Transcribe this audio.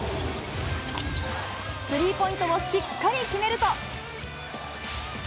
スリーポイントをしっかり決めると。